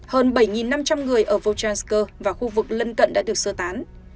hơn bảy năm trăm linh người ở verchask và khu vực lân cận đã được sơ tán